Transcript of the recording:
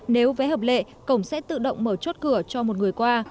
nếu vé hợp lệ cổng sẽ tự động mở chốt cửa cho một người qua